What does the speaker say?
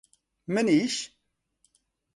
منیش!